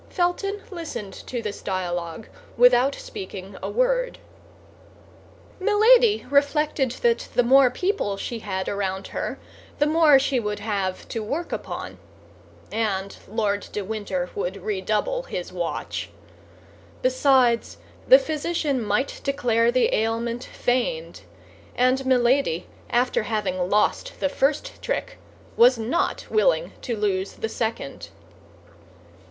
Felton listened to this dialogue without speaking a word. Milady reflected that the more people she had around her the more she would have to work upon, and Lord de Winter would redouble his watch. Besides, the physician might declare the ailment feigned; and Milady, after having lost the first trick, was not willing to lose the second.